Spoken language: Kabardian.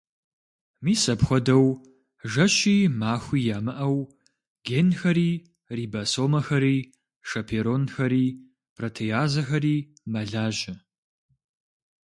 Мис апхуэдэу жэщи махуи ямыӏэу генхэри, рибосомэхэри, шэперонхэри, протеазэхэри мэлажьэ.